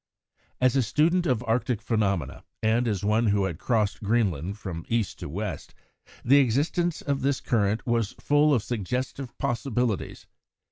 As a student of Arctic phenomena, and as one who had crossed Greenland from east to west, the existence of this current was full of suggestive possibilities.